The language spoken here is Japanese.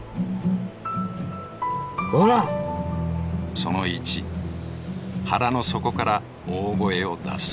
その１「腹の底から大声を出す」。